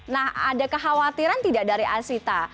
nah ada kekhawatiran tidak dari asita